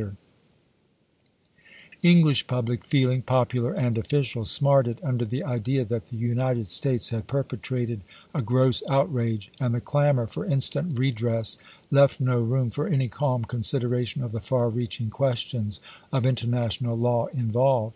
THE "tEENT" affair 27 English public feeling, popular and official, smarted under the idea that the United States had perpe trated a gross outrage, and the clamor for instant redress left no room for any calm consideration of the far reaching questions of international law in volved.